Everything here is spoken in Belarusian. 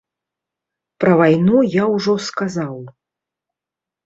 Пра вайну я ўжо сказаў.